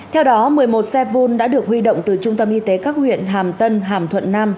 theo đó một mươi một xe vun đã được huy động từ trung tâm y tế các huyện hàm tân hàm thuận nam